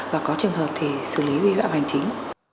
và có trường hợp thì xử lý bị bạo hành chính